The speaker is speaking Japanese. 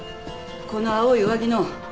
この青い上着の。